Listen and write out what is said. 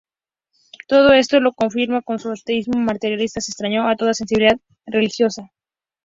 Todo esto lo confirma en su ateísmo materialista: es extraño a toda sensibilidad religiosa.